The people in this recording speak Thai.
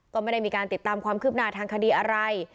ก็ไม่ได้มีการติดตามความคืบหน้าทางคดีอะไร